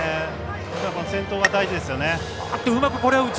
先頭が大事ですよね。